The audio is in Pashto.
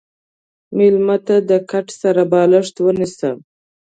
مېلمه ته د کټ سره بالښت ونیسه.